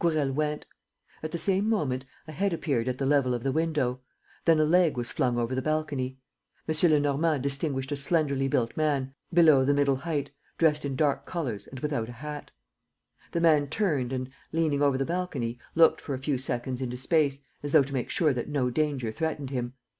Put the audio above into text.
Gourel went. At the same moment, a head appeared at the level of the window. Then a leg was flung over the balcony. M. Lenormand distinguished a slenderly built man, below the middle height, dressed in dark colours and without a hat. The man turned and, leaning over the balcony, looked for a few seconds into space, as though to make sure that no danger threatened him.